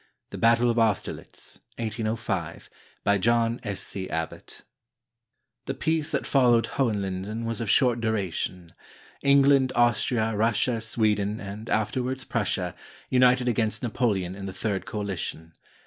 THE BATTLE OF AUSTERLITZ BY JOHN S. C. ABBOTT [The peace that followed Hohenlinden was of short duration. England, Austria, Russia, Sweden, and afterwards Prussia, united against Napoleon in the Third Coalition.